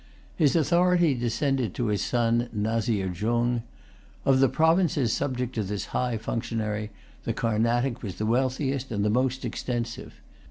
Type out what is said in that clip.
His authority descended to his son, Nazir Jung. Of the provinces subject to this high functionary, the Carnatic was the wealthiest and the most extensive.